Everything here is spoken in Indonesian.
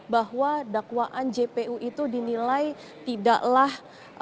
bahwa dakwaan jpu itu dinilai tidaklah